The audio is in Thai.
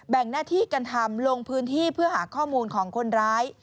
งหน้าที่กันทำลงพื้นที่เพื่อหาข้อมูลของคนร้าย